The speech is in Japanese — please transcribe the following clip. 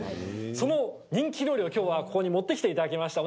その人気料理をきょうはここに持ってきていただきました。